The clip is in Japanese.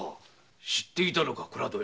知っていたのか倉戸屋。